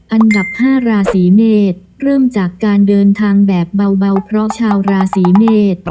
อันดับ๕ราศีเมษเริ่มจากการเดินทางแบบเบาเพราะชาวราศีเมษ